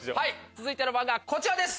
続いての漫画はこちらです！